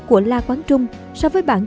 của la quán trung so với bản